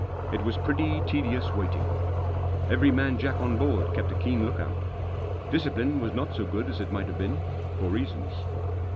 It was pretty tedious waiting. Every man jack on board kept a keen look out Discipline was not so good as it might have been — for reasons.